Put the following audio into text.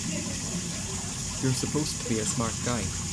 You're supposed to be a smart guy!